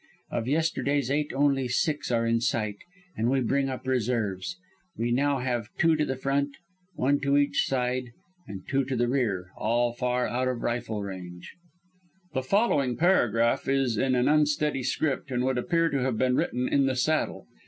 Of yesterday's eight only six are in sight and we bring up reserves. We now have two to the front, one on each side, and two to the rear, all far out of rifle range. [_The following paragraph is in an unsteady script and would appear to have been written in the saddle.